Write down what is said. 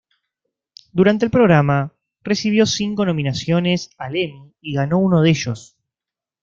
Durante el programa, recibió cinco nominaciones al Emmy y ganó uno de ellos.